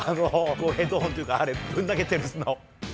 ヘッドホンというか、あれ、ぶん投げてるの。